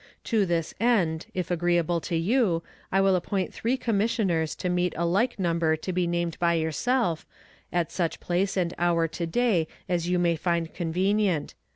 To this end, if agreeable to you, I will appoint three commissioners to meet a like number to be named by yourself, at such place and hour to day as you may find convenient.